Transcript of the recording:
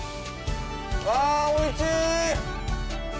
あ、おいしい！